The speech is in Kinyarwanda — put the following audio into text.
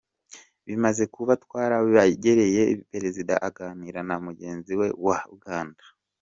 Bimaze kuba twarabegereye, Perezida aganira na mugenzi we wa Uganda.